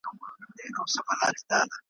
هم چالاکه هم غښتلی هم هوښیار وو .